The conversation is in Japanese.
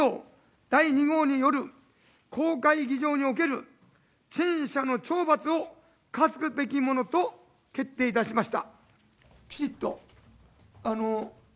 第２号による公開議場における陳謝の懲罰を科すべきものと決定いたしました。